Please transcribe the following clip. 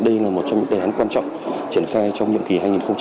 đây là một trong những đề án quan trọng triển khai trong nhiệm kỳ hai nghìn hai mươi hai